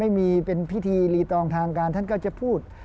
ไม่มีเป็นพิธีรีตองทางการท่านก็จะพูด